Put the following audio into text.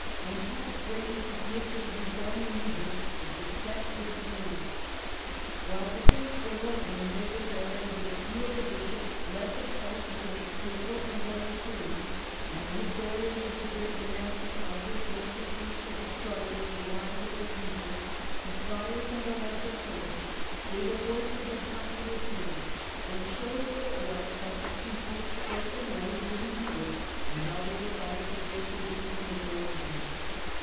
and helped greatly to give to the reforming movement the success it obtained " While the great earl and the noble barons, with a few of the bishops, led the fight against papal and xoyal tyranny, and the historians of the great monastic houses wrote the truths of the struggle for the eyes of the future, the friars and the lesser clergy gave a voice to the popular feeling, and showed what it was that the people, clerk and lay, really needed, and how they regarded the great issues and the great men."